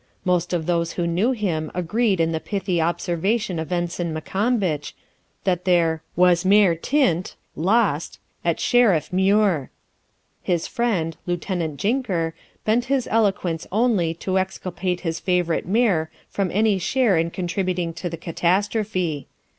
Most of those who knew him agreed in the pithy observation of Ensign Maccombich, that there 'was mair tint (lost) at Sheriff Muir.' His friend, Lieutenant Jinker, bent his eloquence only to exculpate his favourite mare from any share in contributing to the catastrophe.